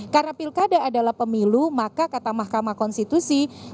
karena pilkada adalah pemilu maka kata mahkamah konstitusi